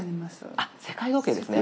あっ世界時計ですね。